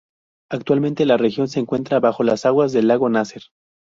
Actualmente la región se encuentra bajo las aguas del Lago Nasser.